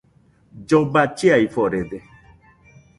Lloba chiaforede